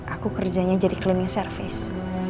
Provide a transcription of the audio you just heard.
aku kerjanya jadi cleaning service